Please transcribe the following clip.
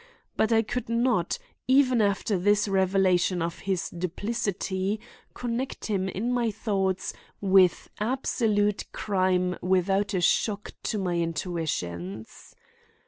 But I could not, even after this revelation of his duplicity, connect him in my thoughts with absolute crime without a shock to my intuitions.